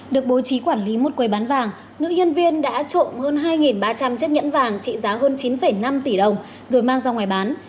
được bố trí quản lý một quầy bán vàng nữ nhân viên đã trộm hơn hai ba trăm linh chiếc nhẫn vàng trị giá hơn chín năm tỷ đồng rồi mang ra ngoài bán